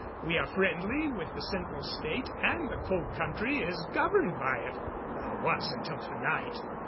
We are friendly with the Central State, and the Cold Country is governed by it or was until tonight.